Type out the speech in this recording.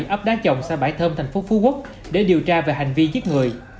ấp đá chồng xã bãi thơm thành phố phú quốc để điều tra về hành vi giết người